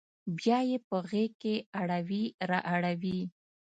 بیا یې په غیږ کې اړوي را اوړي